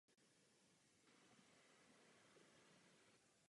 Socha byla prohlášena za kulturní památku.